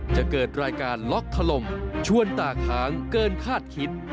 จะเกิดรายการล็อกถล่มชวนตาค้างเกินคาดคิด